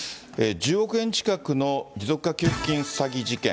１０億円近くの持続化給付金詐欺事件。